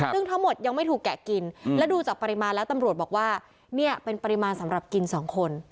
ซึ่งทั้งหมดยังไม่ถูกแกะกินและดูจากปริมาณแล้วตำรวจบอกว่าเนี่ยเป็นปริมาณสำหรับกินสองคน